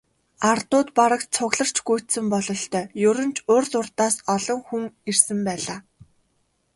Ардууд бараг цугларч гүйцсэн бололтой, ер нь ч урьд урьдаас олон хүн ирсэн байлаа.